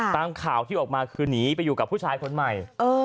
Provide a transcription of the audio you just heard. ตามข่าวที่ออกมาคือหนีไปอยู่กับผู้ชายคนใหม่